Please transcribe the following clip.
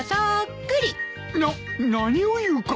なっ何を言うか。